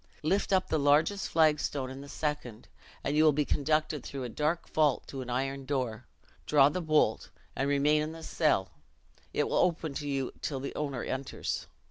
Lift up the largest flag stone in the second, and you will be conducted through a dark vault to an iron door; draw the bolt, and remain in the cell it will open to you till the owner enters.